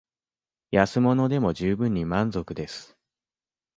安物でも充分に満足です